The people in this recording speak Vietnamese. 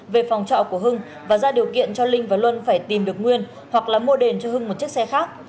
về phòng trọ của hưng và ra điều kiện cho linh và luân phải tìm được nguyên hoặc là mua đền cho hưng một chiếc xe khác